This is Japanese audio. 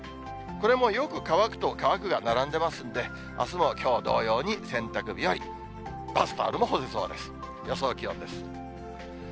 これも、よく乾くと乾くが並んでますんで、あすもきょう同様に洗濯日和、バスタオルも干せそうです。